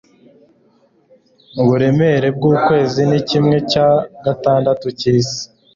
uburemere bwukwezi ni kimwe cya gatandatu cyisi